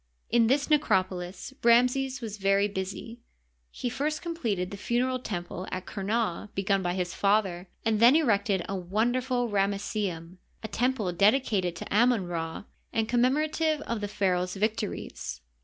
In this necropolis Ramses was very busy. He first completed the funereal temple at Qumah begun by his father, and then erected the wonderful Ramesseum — a temple dedi cated to Amon Ra, and commemorative of the pharaoh's victories.